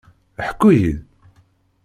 Ḥku-yi-d!